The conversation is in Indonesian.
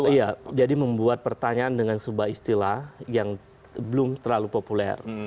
iya jadi membuat pertanyaan dengan sebuah istilah yang belum terlalu populer